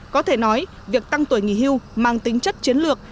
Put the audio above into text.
có thể nói việc tăng tuổi nghỉ hưu mang tính chất chiến lược